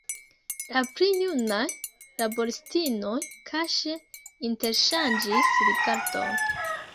La pli junaj laboristinoj kaŝe interŝanĝis rigardon.